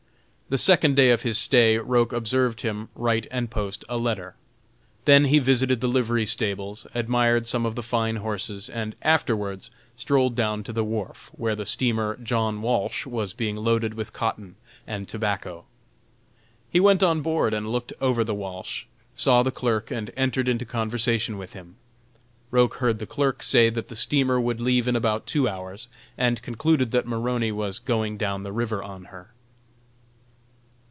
The second day of his stay Roch observed him write and post a letter. Then he visited the livery stables, admired some of the fine horses and afterwards strolled down to the wharf, where the steamer "John Walsh" was being loaded with cotton and tobacco. He went on board and looked over the Walsh, saw the clerk and entered into conversation with him. Roch heard the clerk say that the steamer would leave in about two hours, and concluded that Maroney was going down the river on her.